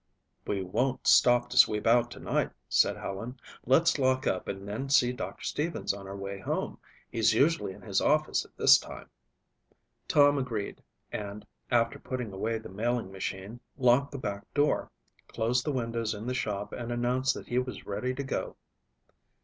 "We won't stop to sweep out tonight," said Helen. "Let's lock up and then see Doctor Stevens on our way home. He's usually in his office at this time." Tom agreed and, after putting away the mailing machine, locked the back door, closed the windows in the shop and announced that he was ready to go.